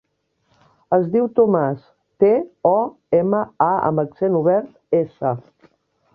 Es diu Tomàs: te, o, ema, a amb accent obert, essa.